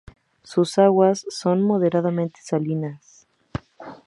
Sus aguas son moderadamente salinas.